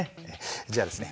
じゃあですね